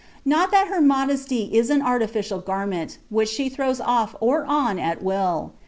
Not that her modesty is an artificial garment, which she throws off or on at will.